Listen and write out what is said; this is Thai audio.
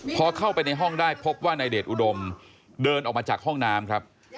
พอเข้าไปในห้องได้พบว่านายเดชอุดมเดินออกมาจากห้องน้ำครับ